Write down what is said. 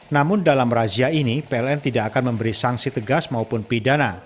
namun dalam razia ini pln tidak akan memberi sanksi tegas maupun pidana